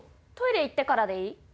トイレ行ってからでいい？